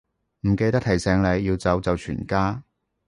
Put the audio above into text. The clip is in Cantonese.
唔記得提醒你，要走就全家